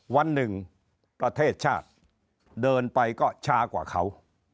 วันหนึ่งประเทศชาติเดินไปก็ช้ากว่าเขา